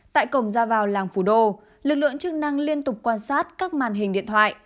tại cổng ra vào làng phủ đô lực lượng chức năng liên tục quan sát các màn hình điện thoại